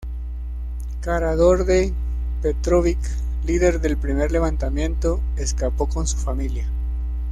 Karađorđe Petrović, líder del primer levantamiento, escapó con su familia.